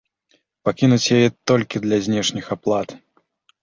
Пакінуць яе толькі для знешніх аплат.